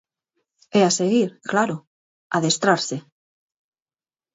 E a seguir, claro, adestrarse.